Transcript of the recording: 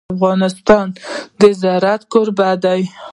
افغانستان د زراعت کوربه دی.